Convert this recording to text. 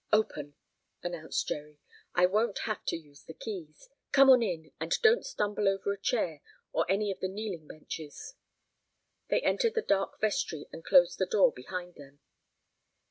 "Open," announced Jerry. "I won't have to use the keys. Come on in, and don't stumble over a chair or any of the kneeling benches." They entered the dark vestry and closed the door behind them.